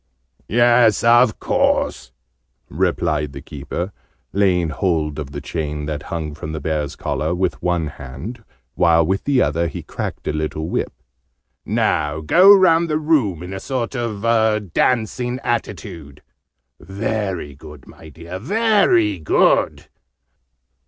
"Yes, of course," replied the Keeper, laying hold of the chain, that hung from the Bear's collar, with one hand, while with the other he cracked a little whip. "Now go round the room in a sort of a dancing attitude. Very good, my dear, very good.